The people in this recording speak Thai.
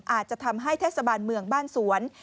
อาจจะทำให้เทศบาลเมืองบ้านสวน